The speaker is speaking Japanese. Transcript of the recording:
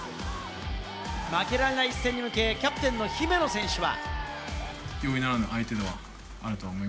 負けられない一戦に向け、キャプテンの姫野選手は。